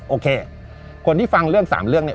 โอเคคนที่ฟังเรื่อง๓เรื่องเนี่ย